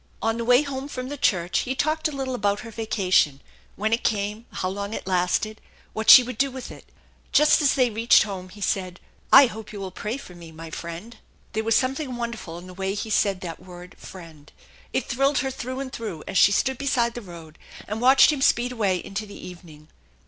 On the way home from the church he talked a little about her vacation: when it came, how long it lasted, what she would do with it. Just as they reached home he said, "I hope you will pray for me, my friend!" There was something wonderful in the way he said that word " friend." It thrilled her through and through as she stood beside the road and watched him speed away into the evening.